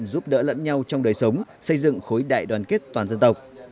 giúp đỡ lẫn nhau trong đời sống xây dựng khối đại đoàn kết toàn dân tộc